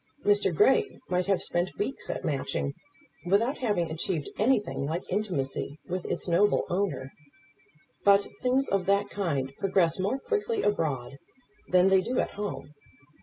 Mr. Grey might have spent weeks at Matching, without having achieved anything like intimacy with its noble owner. But things of that kind progress more quickly abroad than they do at home.